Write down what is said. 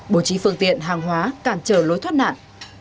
bố trí phương tiện hàng hóa cản trở lối thoát nạn